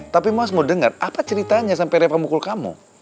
tapi mas mau dengar apa ceritanya sampai repa mukul kamu